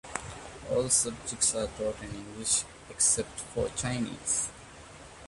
All subjects are taught in English, except for Chinese.